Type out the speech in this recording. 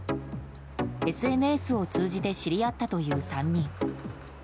ＳＮＳを通じて知り合ったという３人。